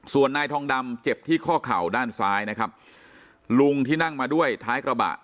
ส่วนนายทองดำเจ็บที่ข้อเข่าด้านซ้ายนะครับลุงที่นั่งมาด้วยท้ายกระบะ